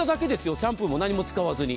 シャンプーも何も使わずに。